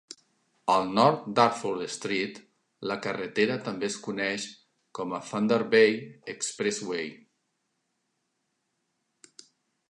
Al nord d' Arthur Street, la carretera també es coneix com a Thunder Bay Expressway.